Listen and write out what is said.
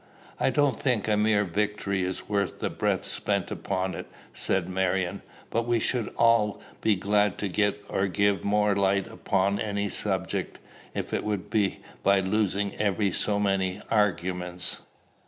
"I don't think a mere victory is worth the breath spent upon it," said Marion. "But we should all be glad to get or give more light upon any subject, if it be by losing ever so many arguments.